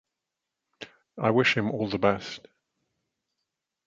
I wish him all the best.